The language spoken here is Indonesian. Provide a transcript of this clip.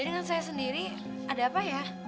dengan saya sendiri ada apa ya